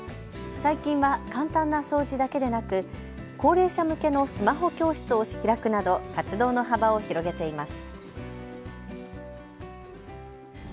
最近は簡単な掃除だけでなく高齢者向けのスマホ教室を開くなど活動の幅を広げています。